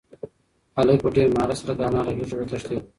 هلک په ډېر مهارت سره د انا له غېږې وتښتېد.